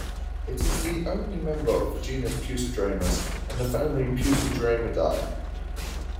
It is the only member of the genus Peucedramus and the family Peucedramidae.